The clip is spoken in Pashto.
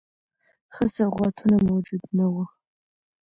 ښه سوغاتونه موجود نه وه.